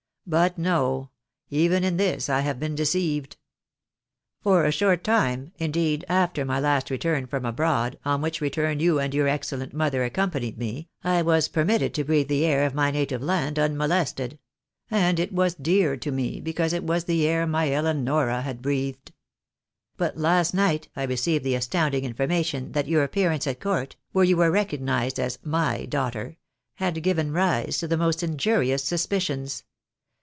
But no ! even in this I have been deceived. " For a short time, indeed, after my last return from abroad, on which return you and your excellent mother accompanied me, I was permitted to breathe the air of my native land unmolested ; and it was dear to me because it was the air my Eleonora had breathed ! But last night I received the astounding information that your appearance at court (where you were recognised as my daughter), had given rise to the most injurious suspicions.